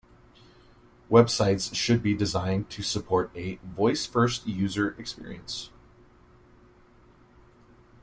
Websites should be designed to support a voice first user experience.